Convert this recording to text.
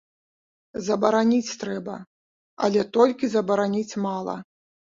Забараніць трэба, але толькі забараніць мала.